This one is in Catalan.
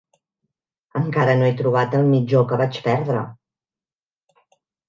Encara no he trobat el mitjó que vaig perdre.